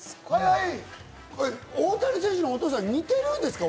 大谷選手のお父さん、似てるんですか？